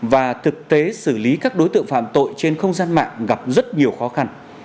và thực tế xử lý các đối tượng phạm tội trên không gian mạng gặp rất nhiều khó khăn